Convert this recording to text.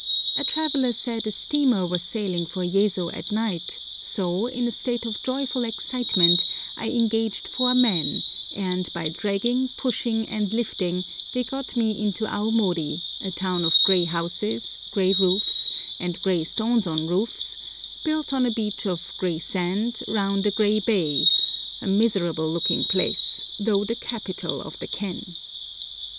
A traveller said a steamer was sailing for Yezo at night, so, in a state of joyful excitement, I engaged four men, and by dragging, pushing, and lifting, they got me into Aomori, a town of grey houses, grey roofs, and grey stones on roofs, built on a beach of grey sand, round a grey bay—a miserable looking place, though the capital of the ken.